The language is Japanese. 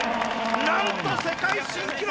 なんと世界新記録！